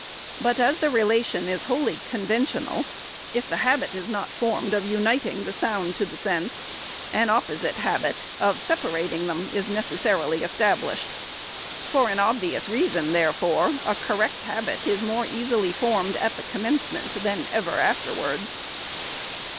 But as the relation is wholly conven tional, if the habit is not formed of uniting the sound to the sense, an opposite habit of separating them is neces sarily established. For an obvious reason, therefore, a correct habit is more easily formed at the commencement than ever afterwards.